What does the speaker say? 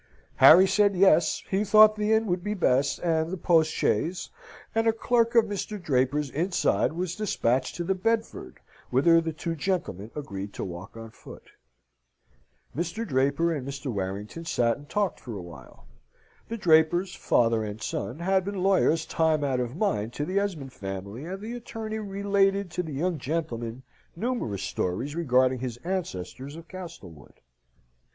Harry said yes, he thought the inn would be best; and the postchaise, and a clerk of Mr. Draper's inside, was despatched to the Bedford, whither the two gentlemen agreed to walk on foot. Mr. Draper and Mr. Warrington sat and talked for a while. The Drapers, father and son, had been lawyers time out of mind to the Esmond family, and the attorney related to the young gentleman numerous stories regarding his ancestors of Castlewood.